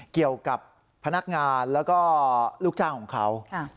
เกี่ยวกับพนักงานแล้วก็ลูกจ้างของเขา